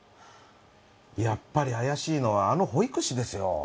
やっぱり怪しいのはあの保育士ですよ。